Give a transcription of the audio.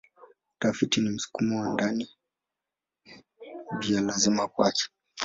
Utafiti na msukumo wa ndani ni vya lazima kwake.